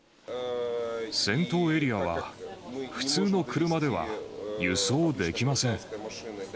戦闘エリアは、普通の車では輸送できません。